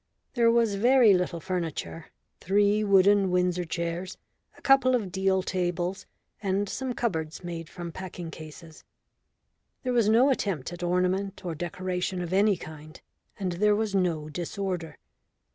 There was very little furniture three wooden windsor chairs, a couple of deal tables, and some cupboards made from packing cases. There was no attempt at ornament or decoration of any kind, and there was no disorder.